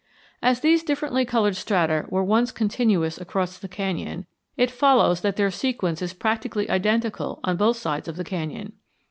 As these differently colored strata were once continuous across the canyon, it follows that their sequence is practically identical on both sides of the canyon.